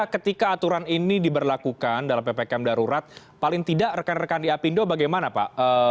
ketika aturan ini diberlakukan dalam ppkm darurat paling tidak rekan rekan di apindo bagaimana pak